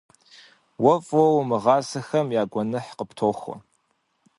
Уэ фӏыуэ умыгъэсахэм я гуэныхь къыптохуэ.